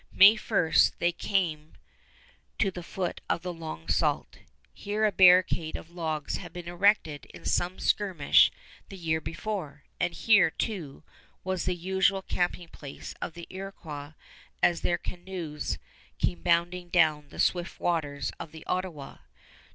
May 1, they came to the foot of the Long Sault. Here a barricade of logs had been erected in some skirmish the year before, and here, too, was the usual camping place of the Iroquois as their canoes came bounding down the swift waters of the Ottawa.